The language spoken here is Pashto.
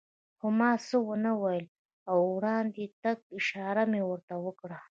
خو ما څه و نه ویل او د وړاندې تګ اشاره مې ورته وکړه.